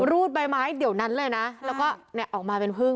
รูดใบไม้เดี๋ยวนั้นเลยนะแล้วก็เนี่ยออกมาเป็นพึ่ง